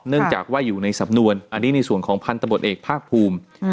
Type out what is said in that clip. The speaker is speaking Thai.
เนื่องจากว่าอยู่ในสำนวนอันนี้ในส่วนของพันธบทเอกภาคภูมิ